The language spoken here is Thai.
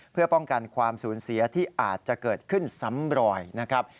เพื่อป้องกันความสูญเสียที่อาจจะเกิดขึ้นซ้ำรอยนะครับ